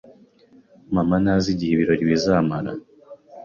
Mama ntazi igihe ibirori bizamara.